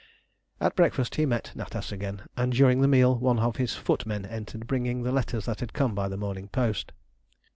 At breakfast he met Natas again, and during the meal one of his footmen entered, bringing the letters that had come by the morning post.